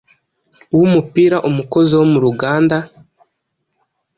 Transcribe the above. wumupira, umukozi wo mu ruganda